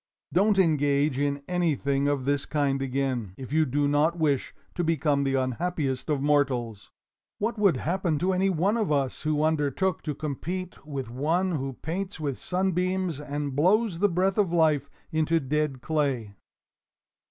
Don't engage in anything of this kind again, if you do not wish to become the unhappiest of mortals! What would happen to any one of us who undertook to compete with one who paints with sunbeams and blows the breath of life into dead clay?"